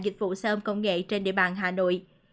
dịch vụ xe ôm công nghệ trên địa bàn hà nội